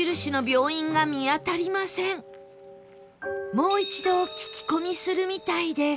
もう一度聞き込みするみたいです